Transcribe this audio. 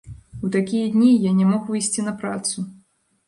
У такія дні я не мог выйсці на працу.